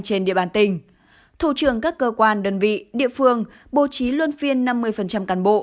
trên địa bàn tỉnh thủ trường các cơ quan đơn vị địa phương bố trí luân phiên năm mươi cán bộ